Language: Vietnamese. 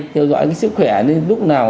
theo dõi cái sức khỏe lúc nào